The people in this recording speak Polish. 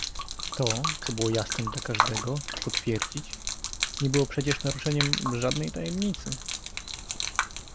"To, co było jasnem dla każdego, potwierdzić, nie było przecież naruszeniem żadnej tajemnicy."